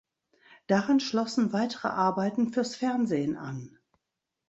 Daran schlossen weitere Arbeiten fürs Fernsehen an.